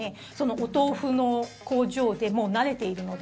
お豆腐の工場でもう慣れているので。